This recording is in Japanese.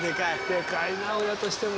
でかいな親としても。